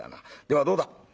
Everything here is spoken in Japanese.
ではどうだ？